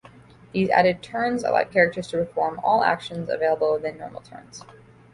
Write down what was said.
These added turns allow characters to perform all actions available within normal turns.